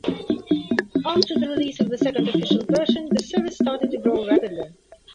After the release of the second official version the service started to grow rapidly.